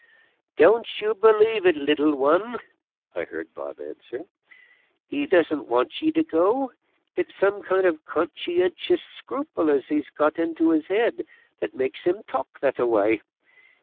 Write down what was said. "Don't you believe it, little one," I heard Bob answer. "He don't want ye to go; it's some kind of conscientious scruple as he's got into his head that makes him talk that a way.